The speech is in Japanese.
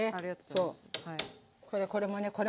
それでこれもね